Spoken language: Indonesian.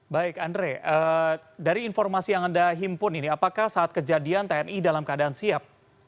baik andre dari informasi yang anda himpun ini apakah saat kejadian tni dalam keadaan siap